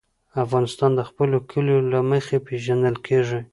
افغانستان د خپلو کلیو له مخې پېژندل کېږي.